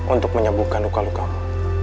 untuk menyembuhkan luka lukamu